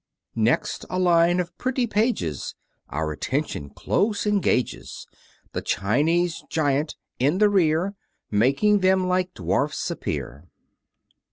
Next a line of pretty pages Our attention close engages; The Chinese Giant in the rear Making them like dwarfs appear.